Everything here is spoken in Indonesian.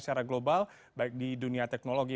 secara global baik di dunia teknologi